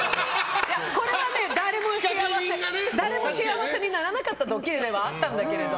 これは誰も幸せにならなかったドッキリではあったんだけど。